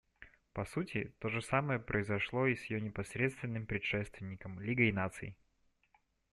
По сути, то же самое произошло и с ее непосредственным предшественником — Лигой Наций.